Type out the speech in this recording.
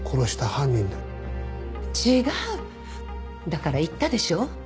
だから言ったでしょ。